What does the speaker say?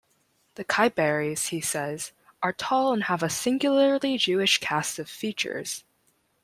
"The Khaibarees," he says, "are tall and have a singularly Jewish cast of features.